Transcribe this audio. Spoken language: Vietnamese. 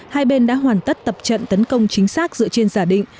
hai bên đã hoàn tất tập trận tấn công chính xác dựa trên giả định